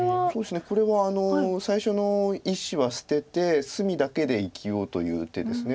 これは最初の１子は捨てて隅だけで生きようという手です。